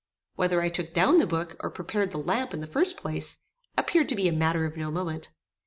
Whether I took down the book, or prepared the lamp in the first place, appeared to be a matter of no moment.